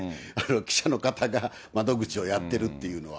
記者の方が窓口をやっているっていうのは。